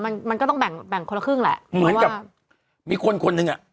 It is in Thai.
มันมันก็ต้องแบ่งแบ่งคนละครึ่งแหละเหมือนกับมีคนคนหนึ่งอ่ะ